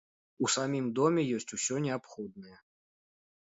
У самім доме ёсць усё неабходнае.